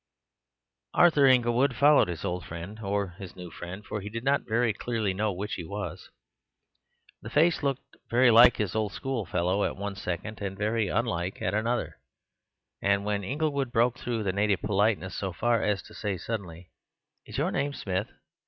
Arthur Inglewood followed his old friend—or his new friend, for he did not very clearly know which he was. The face looked very like his old schoolfellow's at one second and very unlike at another. And when Inglewood broke through his native politeness so far as to say suddenly, "Is your name Smith?"